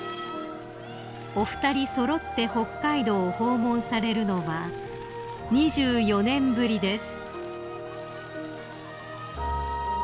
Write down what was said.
［お二人揃って北海道を訪問されるのは２４年ぶりです］